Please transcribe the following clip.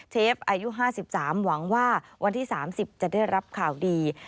เชฟอายุ๕๓หวังว่าวันที่๓๐จะได้รับข่าวดี